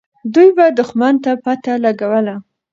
دوی به دښمن ته پته لګوله.